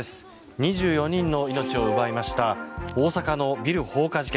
２４人の命を奪いました大阪のビル放火事件。